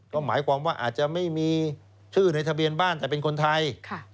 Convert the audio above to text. ก็หมายความว่าอาจจะไม่มีชื่อในทะเบียนบ้านแต่เป็นคนไทย